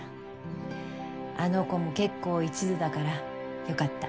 あの子も結構一途だからよかった。